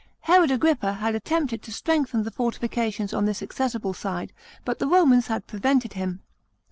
Herod Agrippa had attempted to strengthen the fortifications on this accessible side, but the Romans had prevented him.